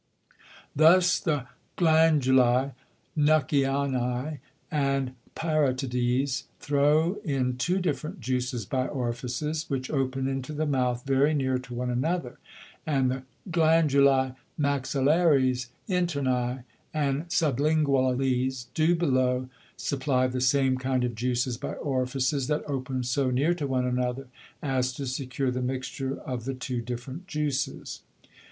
Thus the Glandulæ Nuckianæ, and Parotides, throw in two different Juices by Orifices, which open into the Mouth very near to one another; and the Glandulæ Maxillares internæ, and Sublinguales, do below supply the same kind of Juices by Orifices, that open so near to one another as to secure the mixture of the two different Juices.